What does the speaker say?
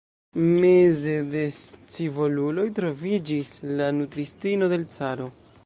Meze de scivoluloj troviĝis la nutristino de l' caro.